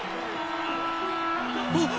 あっ。